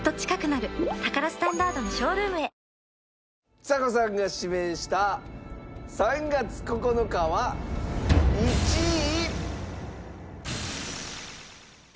ちさ子さんが指名した『３月９日』は１位。